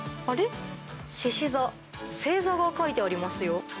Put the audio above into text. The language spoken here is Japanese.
星座が書いてありますよ。